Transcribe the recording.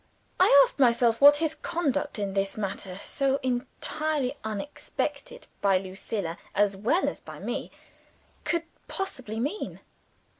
I asked myself what his conduct in this matter so entirely unexpected by Lucilla, as well as by me could possibly mean.